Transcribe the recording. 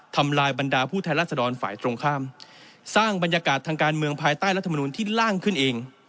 ทำลายบรรดาผู้แทนรัศดรฝ่ายตรงข้ามสร้างบรรยากาศทางการเมืองภายใต้รัฐมนูลที่ล่างขึ้นเอง